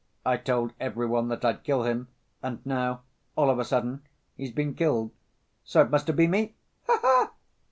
I told every one that I'd kill him, and now, all of a sudden, he's been killed. So it must have been me! Ha ha!